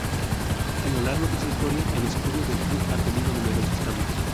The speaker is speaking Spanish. A lo largo de su historia el escudo del club ha tenido numerosos cambios.